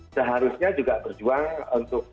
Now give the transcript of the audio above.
seharusnya juga berjuang untuk